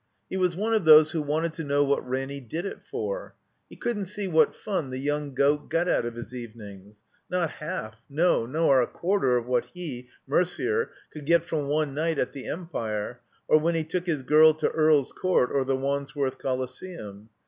He was one of those who wanted to know what Ranny did it for. He couldn't see what fxm the young goat got out of his evenings. Not half, no, nor a quarter of what he, Merder, could get from one night at the Empire or when he took his girl to 22 THE COMBINED MAZE Earl's Court or the Wandsworth Coliseum.